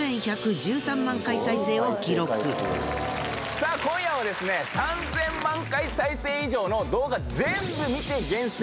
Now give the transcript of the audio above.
さあ今夜はですね３，０００万回再生以上の動画ぜんぶ見て厳選！